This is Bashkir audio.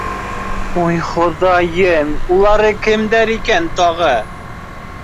— Уй хоҙайым, улары кемдәр икән тағы?